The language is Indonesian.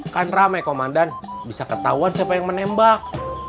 kan ramai komandan bisa ketahuan siapa yang menembak